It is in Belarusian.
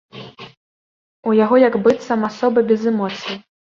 У яго як быццам асоба без эмоцый.